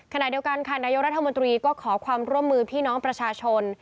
ขณะเดียวกันค่ะนายกรัฐมนตรีก็ขอความร่วมมือพี่น้องประชาชน